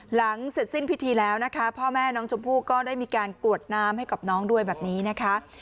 หลังเสร็จสิ้นพิธีแล้วนะคะพ่อแม่น้องชมพู่ก็ได้มีการกรวดน้ำให้กับน้องด้วยแบบนี้นะคะ